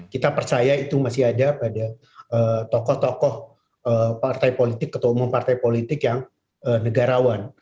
kita percaya itu masih ada pada tokoh tokoh partai politik ketua umum partai politik yang negarawan